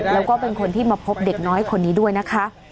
แล้วก็เป็นคนที่มาพบเด็กน้อยคนนี้ด้วยนะคะ